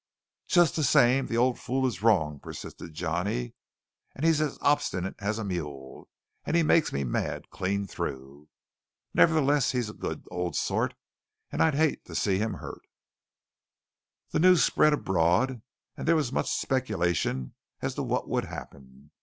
"Just the same the old fool is wrong," persisted Johnny, "and he's as obstinate as a mule, and he makes me mad clean through. Nevertheless he's a good old sort, and I'd hate to see him hurt." The news spread abroad, and there was much speculation as to what would happen.